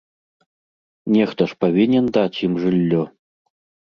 Нехта ж павінен даць ім жыллё!